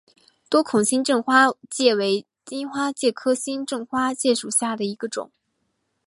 多孔新正花介为荆花介科新正花介属下的一个种。